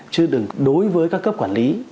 chứ đối với các cấp quản lý